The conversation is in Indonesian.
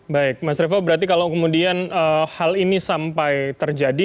baik mas revo berarti kalau kemudian hal ini sampai terjadi